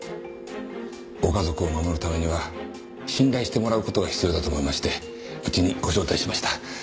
ご家族を守るためには信頼してもらう事が必要だと思いまして家にご招待しました。